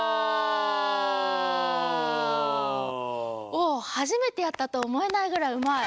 お初めてやったと思えないぐらいうまい。